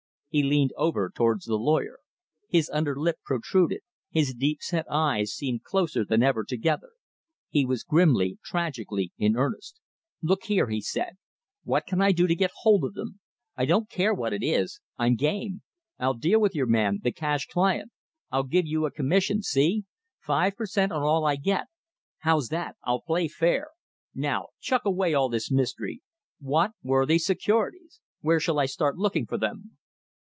He leaned over towards the lawyer. His under lip protruded, his deep set eyes seemed closer than ever together. He was grimly, tragically in earnest. "Look here," he said. "What can I do to get hold of 'em? I don't care what it is. I'm game! I'll deal with your man the cash client. I'll give you a commission, see! Five per cent on all I get. How's that? I'll play fair. Now chuck away all this mystery. What were these securities? Where shall I start looking for them?"